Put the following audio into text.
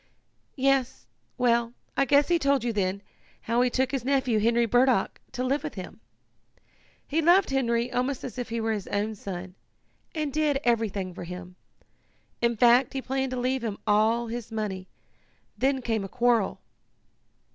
"Yes. Well, I guess he told you then, how he took his nephew, Henry Burdock, to live with him. He loved Henry almost as if he were his own son, and did everything for him. In fact he planned to leave him all his money. Then came a quarrel."